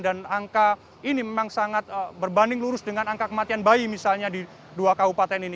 dan angka ini memang sangat berbanding lurus dengan angka kematian bayi misalnya di dua kabupaten ini